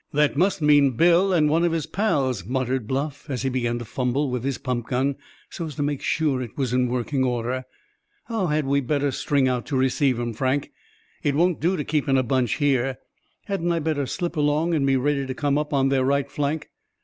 "That must mean Bill, and one of his pals," muttered Bluff, as he began to fumble with his pump gun, so as to make sure it was in working order. "How had we better string out to receive 'em, Frank? It won't do to keep in a bunch here. Hadn't I better slip along, and be ready to come up on their right flank?"